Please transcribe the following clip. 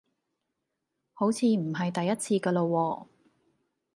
好似唔係第一次個囉喎